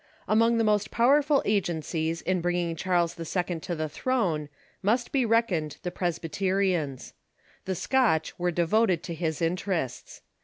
Among the most powerful agencies in bringing Charles II, THE CHURCH DURING THE RESTORATIOX 305 to the throne must be reckoned the Presbyterians. The Scotch were devoted to his interests.